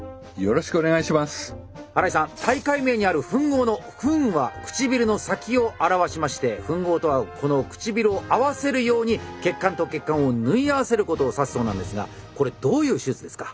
大会名にある「吻合」の「吻」は唇の先を表しまして「吻合」とはこの唇を合わせるように血管と血管を縫い合わせることを指すそうなんですがこれどういう手術ですか？